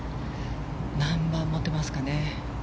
何番を持ってますかね。